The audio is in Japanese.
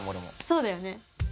そうだよね。